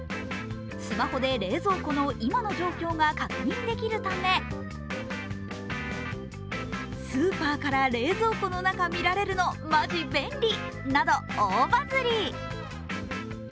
スマホで冷蔵庫の今の状況が確認できるためスーパーから冷蔵庫の中見られるのマジ便利など大バズリ。